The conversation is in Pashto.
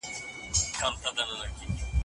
دا ویډیو په ټوله نړۍ کې مشهوره شوه.